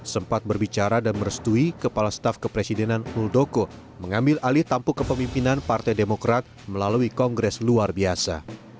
sempat berbicara dan merestui kepala staf kepresidenan muldoko mengambil alih tampuk kepemimpinan partai demokrat melalui kongres luar biasa